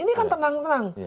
ini kan tenang tenang